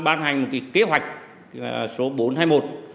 ban hành kế hoạch số bốn trăm hai mươi một